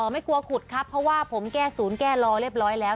ไม่กลัวขุดครับเพราะว่าผมแก้ศูนย์แก้รอเรียบร้อยแล้ว